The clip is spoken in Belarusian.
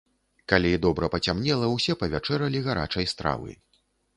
Калі добра пацямнела, усе павячэралі гарачай стравы.